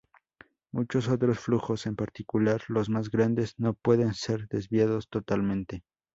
Muchos otros flujos, en particular los más grandes, no pueden ser desviados totalmente.